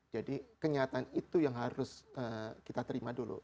jadi kenyataan itu yang harus kita terima dulu